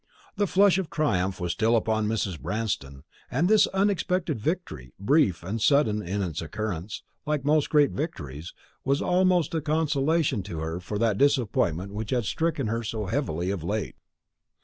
The flush of triumph was still upon Mrs. Branston; and this unexpected victory, brief and sudden in its occurrence, like most great victories, was almost a consolation to her for that disappointment which had stricken her so heavily of late.